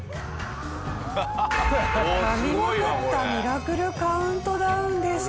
神懸かったミラクルカウントダウンでした。